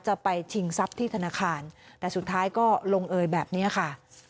จะไปชิงทรัพย์ที่ธนาคารแต่สุดท้ายก็ลงเอยแบบนี้ค่ะ